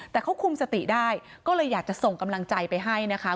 แต่เขาคุมสติได้ก็เลยอยากจะส่งกำลังใจไปให้นะคะ